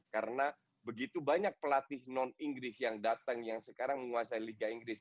karena begitu banyak pelatih non inggris yang datang yang sekarang menguasai liga inggris